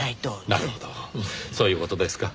なるほどそういう事ですか。